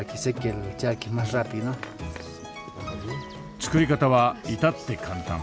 作り方は至って簡単。